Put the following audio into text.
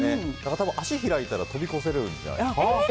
多分足開いたら飛び越せるんじゃないですか。